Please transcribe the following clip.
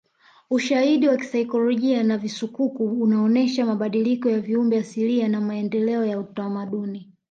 Ushahidi wa akiolojia na visukuku unaonesha mabadiliko ya viumbe asilia na maendeleo ya utamaduni